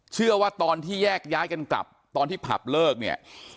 เชื่อว่าตอนที่แยกย้ายกันกลับตอนที่ผับเลิกเนี่ย